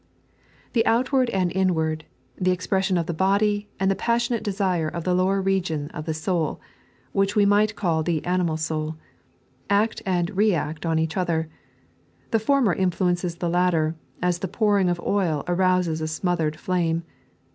The outward and inward, the expression by the body, and the passionate desire of the lower region of the soul {which we might call the animal soul), act and react on each otiier. The former infiuences the latter, as the pouring of oil arouses a smothered flame.